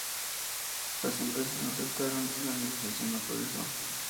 Las empresas no aceptaron y la negociación no progresó".